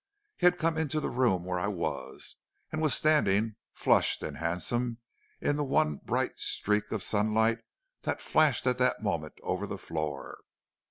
He had come into the room where I was, and was standing, flushed and handsome, in the one bright streak of sunlight that flashed at that moment over the floor.